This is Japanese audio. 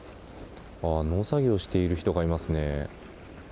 農作業をしている人がいますね。